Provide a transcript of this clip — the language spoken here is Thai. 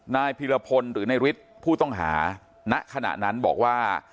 นายพิรพลหรือนายฤทธิ์ผู้ต้องหาณขณะนั้นบอกว่า